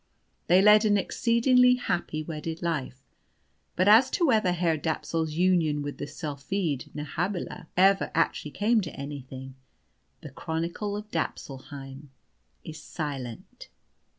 They led an exceedingly happy wedded life. But as to whether Herr Dapsul's union with the Sylphide Nehabilah ever actually came to anything the Chronicle of Dapsulheim is silent.